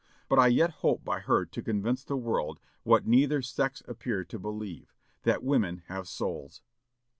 But I yet hope by her to convince the world what neither sex appear to believe that women have souls!"